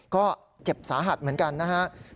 ก็เจ็บสาหัสเหมือนกันนะครับ